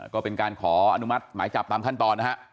ก็เป็นการขออนุมัติหมายจับตามขั้นตอนนะฮะ